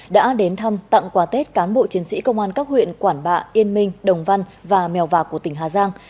đã đến thăm tặng quà tết cán bộ chiến sĩ công an các huyện quảng bạ yên minh đồng văn và mèo vạc của tỉnh hà giang